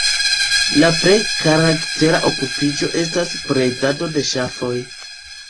La plej karaktera okupiĝo estas bredado de ŝafoj.